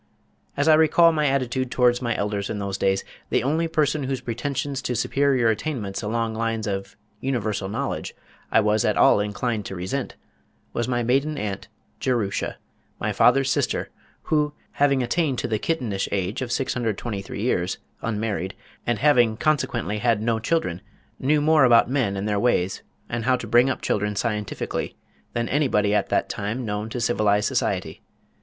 As I recall my attitude towards my elders in those days, the only person whose pretensions to superior attainments along lines of universal knowledge I was at all inclined to resent, was my maiden aunt, Jerusha, my father's sister, who, having attained to the kittenish age of 623 years, unmarried, and having consequently had no children, knew more about men and their ways, and how to bring up children scientifically than anybody at that time known to civilized society.